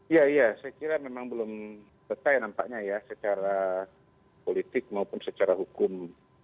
iya iya saya kira memang belum selesai nampaknya ya secara politik maupun secara hukum